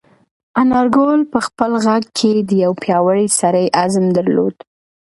انارګل په خپل غږ کې د یو پیاوړي سړي عزم درلود.